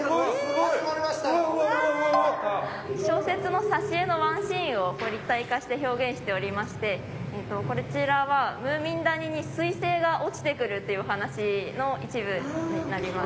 小説の挿絵のワンシーンを立体化して表現しておりましてこちらはムーミン谷に彗星が落ちてくるっていう話の一部になります。